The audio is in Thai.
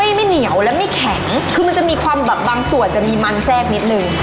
ไม่ไม่เหนียวและไม่แข็งคือมันจะมีความแบบบางส่วนจะมีมันแทรกนิดนึง